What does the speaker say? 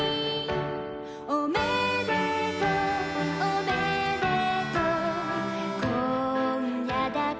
「おめでとう」「おめでとう」「今夜だけ」